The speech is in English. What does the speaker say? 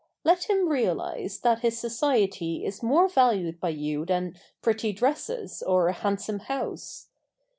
Let him realize that his society is more valued by you than pretty dresses or a handsome house.